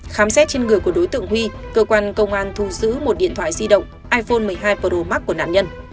khám xét trên người của đối tượng huy cơ quan công an thu giữ một điện thoại di động iphone một mươi hai pro max của nạn nhân